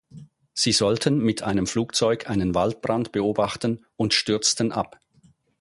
Sie sollten mit einem Flugzeug einen Waldbrand beobachten und stürzten ab.